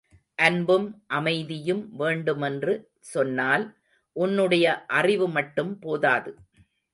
அன்பும் அமைதியும் வேண்டுமென்று சொன்னால், உன்னுடைய அறிவுமட்டும் போதாது.